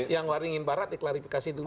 yang waringin barat diklarifikasi dulu